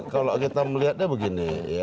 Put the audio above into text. kalau kita melihatnya begini